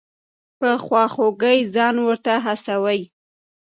په خواخوږۍ ځان ورته هڅوي.